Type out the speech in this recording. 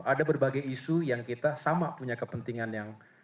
ada berbagai isu yang kita sama punya kepentingan yang